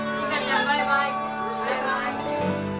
バイバイ！